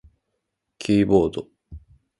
キーボード